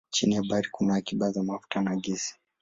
Chini ya bahari kuna akiba za mafuta na gesi.